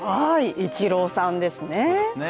イチローさんですね。